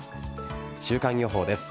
週間予報です。